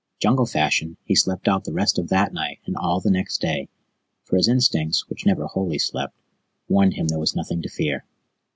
Jungle fashion, he slept out the rest of that night and all the next day; for his instincts, which never wholly slept, warned him there was nothing to fear.